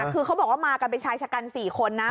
คือเขาบอกว่ามากันเป็นชายชะกัน๔คนนะ